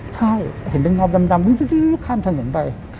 ใช่เห็นเงาสีดำข้ามถนิดไป